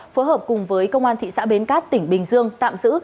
phối hợp cùng với công an thị xã bến cát tỉnh bình dương tạm giữ